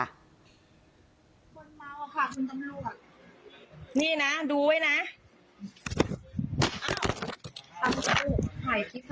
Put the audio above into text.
อ๋อค่ะคุณอันด้วยนี่น่ะดูไว้นะ